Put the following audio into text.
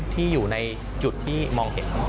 ที่อยู่ในจุดที่มองเห็น